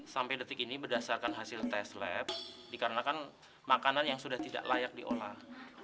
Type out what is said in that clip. sampai detik ini berdasarkan hasil tes lab dikarenakan makanan yang sudah tidak layak diolah